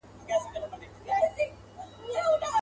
خیراتونه اورېدل پر بې وزلانو.